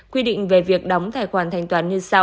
quy định về việc đóng tài khoản thanh toán